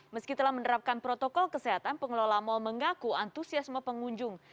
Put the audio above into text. meski telah menerapkan protokol kesehatan pengelola mal mengaku antusiasme pengunjung